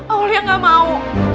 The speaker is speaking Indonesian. aulia gak mau